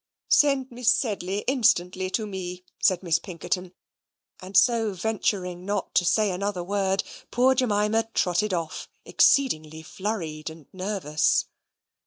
"Send Miss Sedley instantly to me," said Miss Pinkerton. And so venturing not to say another word, poor Jemima trotted off, exceedingly flurried and nervous.